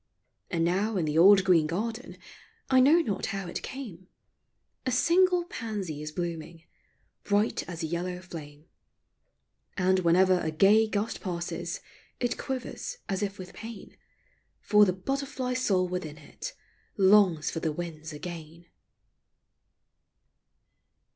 And now in the old green garden, — I know not how it came, — A single pansy is blooming, Bright as a yellow flame. And Avhenever a gay gust passes, It quivers as if with pain, For the butterfly soul within it Longs for the winds again.